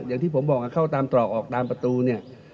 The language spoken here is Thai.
อย่างที่ผมบอกเข้าตามตรอกออกตามประตูเนี่ย